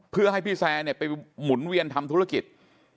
เพื่อให้พี่แซร์ไปหมุนเวียนทำธุรกิจ